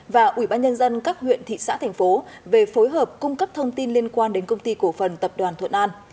và ủy ban nhân dân các huyện thị xã thành phố về phối hợp cung cấp thông tin liên quan đến công ty cổ phần tập đoàn thuận an